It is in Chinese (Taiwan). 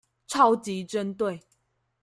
超級針對